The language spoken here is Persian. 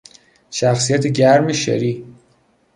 شخصیت گرم شری